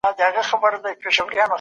هغه خپل ځان له ستونزي خلاص کړی.